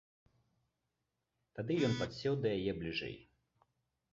Тады ён падсеў да яе бліжэй.